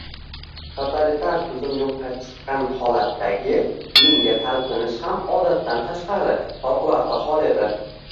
totalitar tuzum yo‘qqa chiqqan holatdagi dinga talpinish ham odatdan tashqari – favqulodda hol edi.